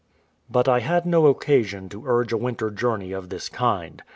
But I had no occasion to urge a winter journey of this kind.